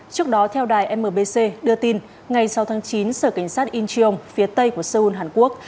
trước đó theo đài mbc đưa tin ngày sáu tháng chín sở cảnh sát incheon phía tây của seoul hàn quốc